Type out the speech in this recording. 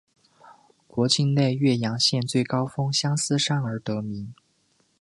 因境内岳阳县最高峰相思山而得名。